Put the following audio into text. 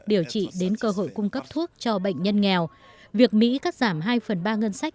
điều trị đến cơ hội cung cấp thuốc cho bệnh nhân nghèo việc mỹ cắt giảm hai phần ba ngân sách